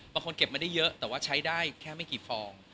เก็บมาได้เยอะแต่ว่าใช้ได้แค่ไม่กี่ฟอง